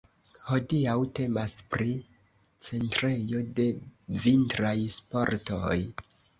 Hodiaŭ temas pri centrejo de vintraj sportoj.